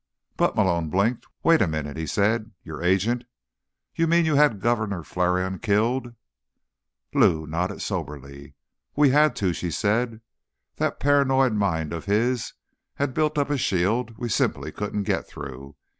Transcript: "But—" Malone blinked. "Wait a minute," he said. "Your agent? You mean you had Governor Flarion killed?" Lou nodded soberly. "We had to," she said. "That paranoid mind of his had built up a shield we simply couldn't get through.